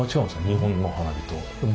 日本の花火と。